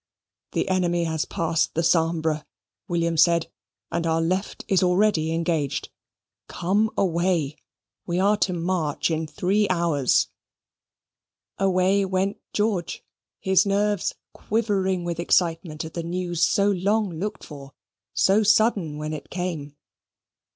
"The enemy has passed the Sambre," William said, "and our left is already engaged. Come away. We are to march in three hours." Away went George, his nerves quivering with excitement at the news so long looked for, so sudden when it came.